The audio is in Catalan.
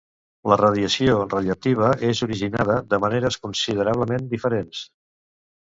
La radiació radioactiva és originada de maneres considerablement diferents.